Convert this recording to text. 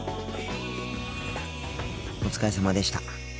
お疲れさまでした。